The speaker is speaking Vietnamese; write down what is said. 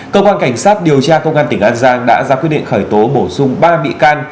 cơ quan cảnh sát điều tra công an tỉnh an giang đã ra quyết định khởi tố bổ sung ba bị can